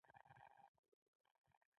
پابلو پیکاسو وایي عملي کار د بریا بنسټ دی.